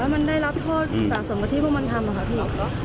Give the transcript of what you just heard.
ขอให้มันได้รับโทษสาธารณะที่พวกมันทำค่ะพี่